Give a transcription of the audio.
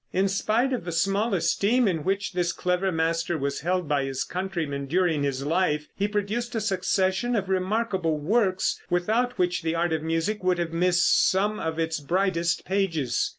In spite of the small esteem in which this clever master was held by his countrymen during his life, he produced a succession of remarkable works, without which the art of music would have missed some of its brightest pages.